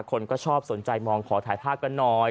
คนก็ชอบสนใจมองขอถ่ายภาพกันหน่อย